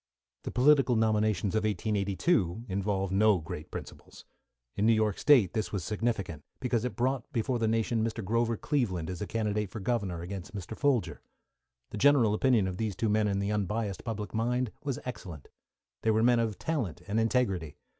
The political nominations of 1882 involved no great principles. In New York State this was significant, because it brought before the nation Mr. Grover Cleveland as a candidate for Governor against Mr. Folger. The general opinion of these two men in the unbiassed public mind was excellent. They were men of talent and integrity.